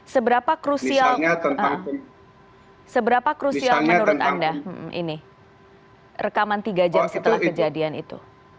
seberapa krusial menurut anda ini rekaman tiga jam setelah kejadian itu